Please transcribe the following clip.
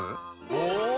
お！